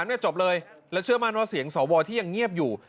เนี่ยจบเลยและเชื่อมั่นว่าเสียงสวที่ยังเงียบอยู่